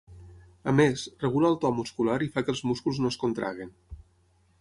A més, regula el to muscular i fa que els músculs no es contraguin.